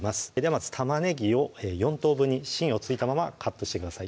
まず玉ねぎを４等分に芯を付いたままカットしてください